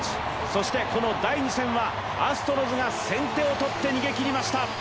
そして、この第２戦はアストロズが先手を取って逃げ切りました。